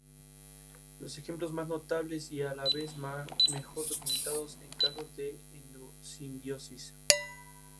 La vuelta del absolutismo fernandino truncó su carrera política y llegaría a ser exiliado.